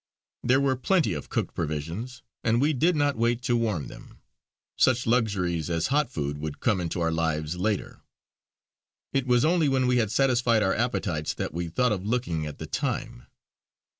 There were plenty of cooked provisions, and we did not wait to warm them: such luxuries as hot food would come into our lives later. It was only when we had satisfied our appetites that we thought of looking at the time.